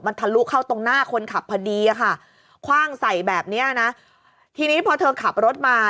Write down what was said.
ทะลุเข้าตรงหน้าคนขับพอดีอะค่ะคว่างใส่แบบเนี้ยนะทีนี้พอเธอขับรถมา